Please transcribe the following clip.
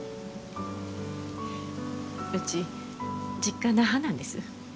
うち実家那覇なんです。